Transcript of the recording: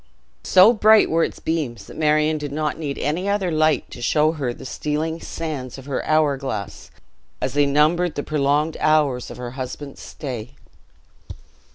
So bright were its beams, that Marion did not need any other light to show her the stealing sands of her hour glass, as they numbered the prolonged hours of her husband's stay.